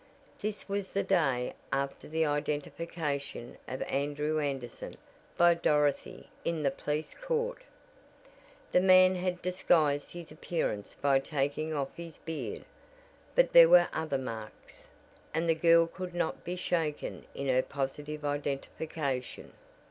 This was the day after the identification of Andrew Anderson by Dorothy in the Police Court. The man had disguised his appearance by taking off his beard, but there were other marks, and the girl could not be shaken in her positive identification.